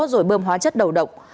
rồi bơm hóa chất đầu độc